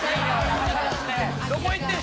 「どこ行ってん？